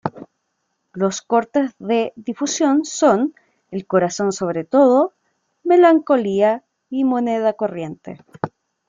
Los cortes de difusión son "El corazón sobre todo", "Melancolía" y "Moneda corriente".